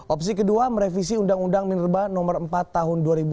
opsi kedua merevisi undang undang minerba nomor empat tahun dua ribu dua